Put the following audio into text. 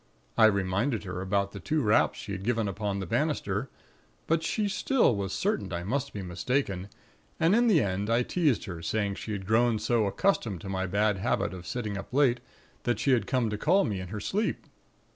I reminded her about the two raps she had given upon the banister; but she still was certain I must be mistaken; and in the end I teased her, saying she had grown so accustomed to my bad habit of sitting up late, that she had come to call me in her sleep.